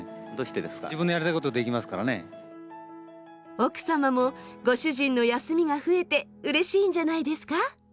奥様もご主人の休みが増えてうれしいんじゃないですか？